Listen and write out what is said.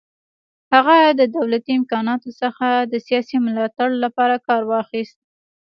هغه د دولتي امکاناتو څخه د سیاسي ملاتړ لپاره کار واخیست.